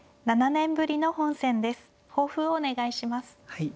はい。